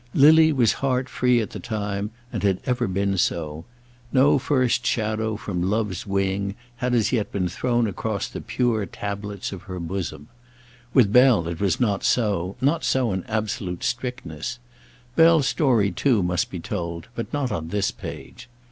Lily was heart free at the time, and had ever been so. No first shadow from Love's wing had as yet been thrown across the pure tablets of her bosom. With Bell it was not so, not so in absolute strictness. Bell's story, too, must be told, but not on this page.